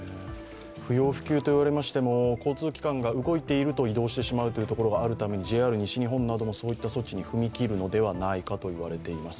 不要不急と言われましても、交通機関が動いていると移動してしまうところがあるために、ＪＲ西日本などもそういった措置に踏み切るのではないかといわれています。